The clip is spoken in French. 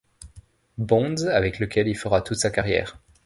Bonds avec laquelle il fera toute sa carrière.